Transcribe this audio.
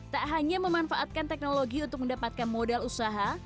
tak hanya memanfaatkan teknologi untuk mendapatkan modal usaha